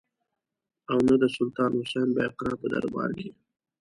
او نه د سلطان حسین بایقرا په دربار کې.